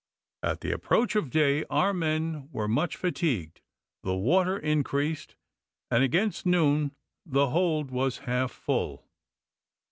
At the approach of day our men were much fatigued, the water increased, and against noon the hold was half full.